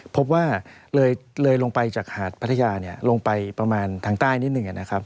พบว่าเลยลงไปจากหาดพัทยาลงไปประมาณทางใต้นิดหนึ่งนะครับ